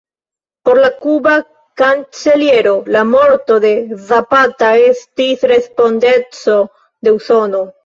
Por la kuba kanceliero, la morto de Zapata estis respondeco de Usono.